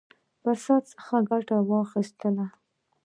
فرصت څخه ګټه واخیستله.